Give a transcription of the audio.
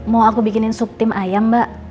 mau aku bikinin sup tim ayam mbak